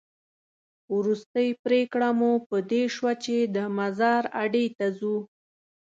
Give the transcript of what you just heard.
وروستۍ پرېکړه مو په دې شوه چې د مزار اډې ته ځو.